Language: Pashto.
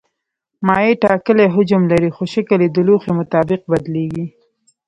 مایع ټاکلی حجم لري خو شکل یې د لوښي مطابق بدلېږي.